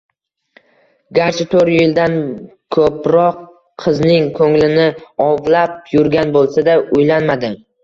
Garchi toʻrt yildan koʻproq qizning koʻnglini ovlab yurgan boʻlsa-da, uylanmadi.